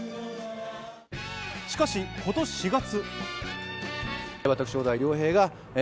しかし今年４月。